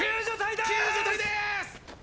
救助隊ですッ！！